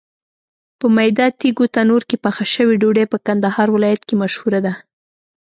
په میده تېږو تنور کې پخه شوې ډوډۍ په کندهار ولایت کې مشهوره ده.